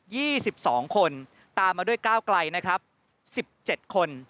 ี่สิบสองคนตามมาด้วยก้าวไกลนะครับสิบเจ็ดคน